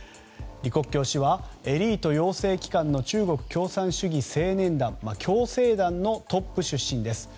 李克強氏はエリート養成機関の中国共産主義青年団共青団のトップ出身です。